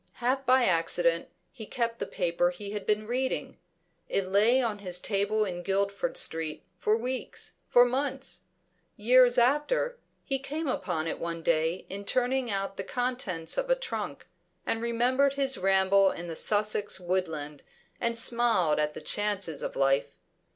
Half by accident, he kept the paper he had been reading. It lay on his table in Guildford Street for weeks, for months. Years after, he came upon it one day in turning out the contents of a trunk, and remembered his ramble in the Sussex woodland, and smiled at the chances of life.